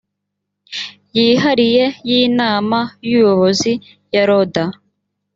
yihariye y inama y ubuyobozi ya loda